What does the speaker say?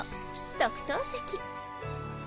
特等席。